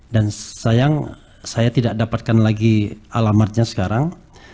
dan sayang saya tidak dapatkan lagi alamatnya sekarang